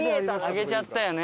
上げちゃったよね。